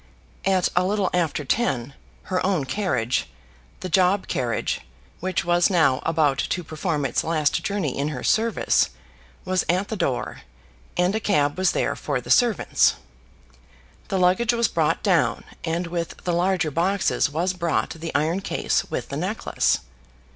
At a little after ten, her own carriage, the job carriage, which was now about to perform its last journey in her service, was at the door, and a cab was there for the servants. The luggage was brought down, and with the larger boxes was brought the iron case with the necklace.